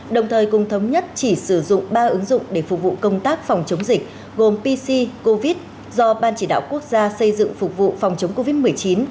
đồng thời cùng thống nhất chỉ sử dụng ba ứng dụng để phục vụ công tác phòng chống dịch gồm pc covid do ban chỉ đạo quốc gia xây dựng phục vụ phòng chống covid một mươi chín